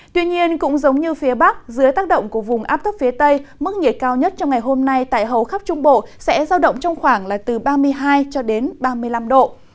tuy nhiên cũng giống như phía bắc dưới tác động của vùng áp thấp phía tây mức nhiệt cao nhất trong ngày hôm nay tại hầu khắp trung bộ sẽ giao động trong khoảng là từ ba mươi hai cho đến ba mươi năm độ